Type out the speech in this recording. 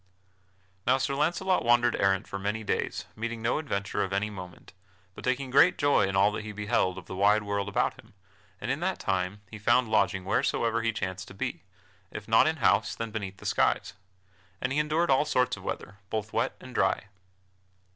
_ Now Sir Launcelot wandered errant for many days, meeting no adventure of any moment, but taking great joy in all that he beheld of the wide world about him, and in that time he found lodging wheresoever he chanced to be (if not in house, then beneath the skies), and he endured all sorts of weather, both wet and dry.